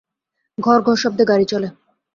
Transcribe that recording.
ঘরঘর শব্দে গাড়ি চলে।